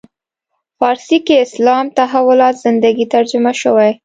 فارسي کې اسلام تحولات زندگی ترجمه شوی.